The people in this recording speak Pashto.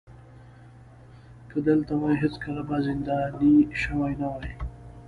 که دلته وای هېڅکله به زنداني شوی نه وای.